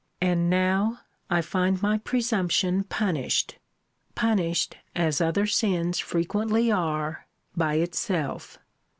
And now I find my presumption punished punished, as other sins frequently are, by itself!